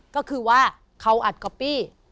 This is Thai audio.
ก็คือว่าเขาอัดก๊อปปี้